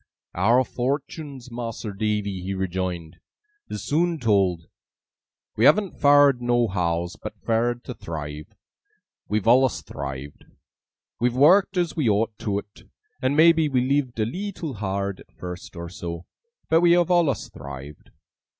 'Our fortuns, Mas'r Davy,' he rejoined, 'is soon told. We haven't fared nohows, but fared to thrive. We've allus thrived. We've worked as we ought to 't, and maybe we lived a leetle hard at first or so, but we have allus thrived.